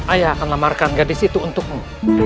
ayah akan memamarkan gadis itu untukmu